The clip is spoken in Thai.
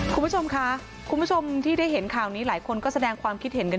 คุณผู้ชมค่ะคุณผู้ชมที่ได้เห็นข่าวนี้หลายคนก็แสดงความคิดเห็นกัน